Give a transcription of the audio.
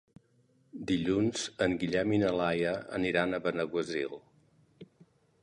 Dilluns en Guillem i na Laia aniran a Benaguasil.